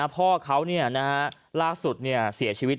พ่อเขาล่าสุดเสียชีวิต